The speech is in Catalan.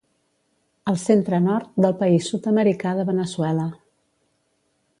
Al centre nord del país sud-americà de Veneçuela.